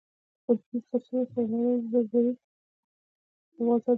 هغه شخص چې نورو ته زیان رسوي، پخپله ډیر زیان ويني